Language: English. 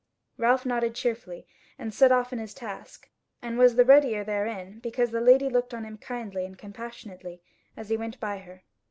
Ralph nodded cheerfully, and set off on his task, and was the readier therein because the Lady looked on him kindly and compassionately as he went by her.